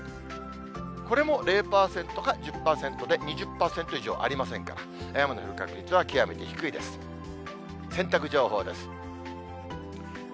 これも０％か１０％で、２０％以上ありませんから、雨の降る確率は極めて低いです。